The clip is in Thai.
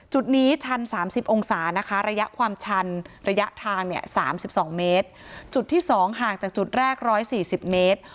จุดนี้ชัน๓๐องศานะคะระยะความชันระยะทางเนี่ย๓๒เมตรจุดที่๒ห่างจากจุดแรก๑๔๐เมตร